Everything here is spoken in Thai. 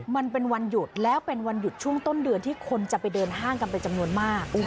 มันเป็นวันหยุดแล้วเป็นวันหยุดช่วงต้นเดือนที่คนจะไปเดินห้างกันเป็นจำนวนมาก